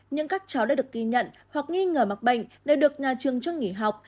những các cháu đã được ghi nhận hoặc nghi ngờ mặc bệnh đều được nhà trường chức nghỉ học